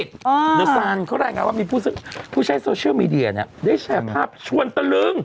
เดี๋ยวซานเขารายงานว่ามีผู้ใช้โซเชียลมีเดียเนี่ยได้แชร์ภาพชวนตะลึง